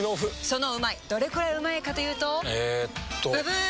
そのうまいどれくらいうまいかというとえっとブブー！